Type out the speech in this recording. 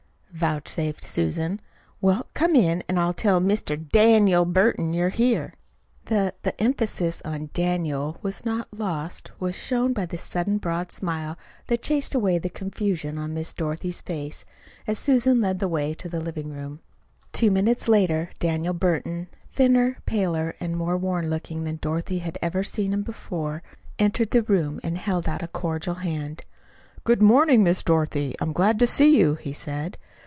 vouchsafed Susan. "Well, come in, an' I'll tell Mr. DANIEL Burton you're here." That the emphasis on "Daniel" was not lost was shown by the sudden broad smile that chased away the confusion on Miss Dorothy's face, as Susan led the way to the living room. Two minutes later Daniel Burton, thinner, paler, and more worn looking than Dorothy had ever seen him before, entered the room and held out a cordial hand. "Good morning, Miss Dorothy. I'm glad to see you," he said.